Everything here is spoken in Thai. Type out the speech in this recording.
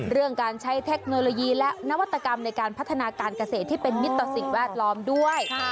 เรื่องการใช้เทคโนโลยีและนวัตกรรมในการพัฒนาการเกษตรที่เป็นมิตรต่อสิ่งแวดล้อมด้วย